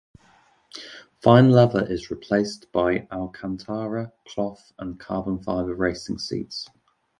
Fine leather is replaced by alcantara, cloth, and carbon fiber racing seats.